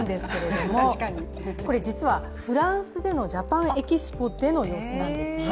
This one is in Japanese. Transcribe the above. これ、実はフランスでのＪａｐａｎＥｘｐｏでの様子なんですね。